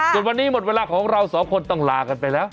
ส่วนวันนี้หมดเวลาของเราสองคนต้องลากันไปแล้ว